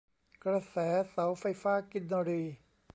กระแสเสาไฟฟ้ากินรี